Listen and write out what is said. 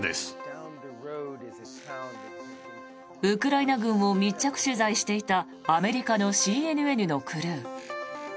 ウクライナ軍を密着取材していたアメリカのＣＮＮのクルー。